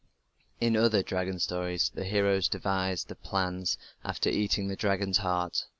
In other dragon stories the heroes devise their plans after eating the dragon's heart.